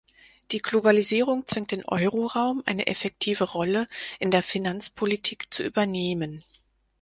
Die Globalisierung zwingt den Euroraum, eine effektive Rolle in der Finanzpolitik zu übernehmen.